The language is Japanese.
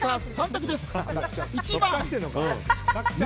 ３択です。